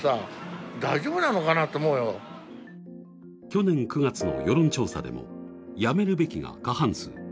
去年９月の世論調査でも、「辞めるべき」が過半数。